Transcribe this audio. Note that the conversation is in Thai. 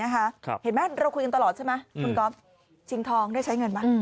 เห็นไหมเราคุยกันตลอดใช่ไหมคุณก๊อฟชิงทองได้ใช้เงินไหม